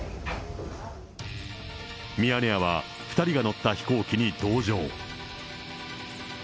ミヤネ屋は２人が乗った飛行機に同乗。